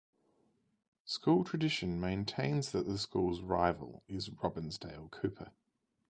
School tradition maintains that the school's rival is Robbinsdale Cooper.